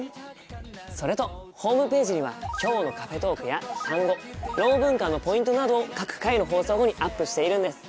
それとホームページには「きょうのカフェトーク」や単語ろう文化のポイントなどを各回の放送後にアップしているんです。